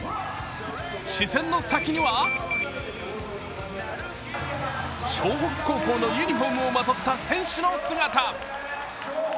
視線の先には湘北高校のユニフォームをまとった選手の姿。